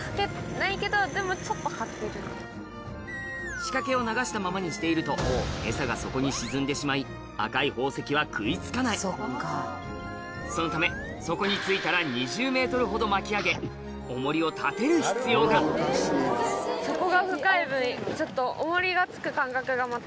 仕掛けを流したままにしていると餌が底に沈んでしまい赤い宝石は食い付かないそのため底に着いたら２０ｍほど巻き上げオモリを立てる必要がそうそうそう。